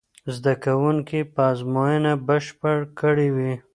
زده کوونکي به ازموینه بشپړه کړې وي.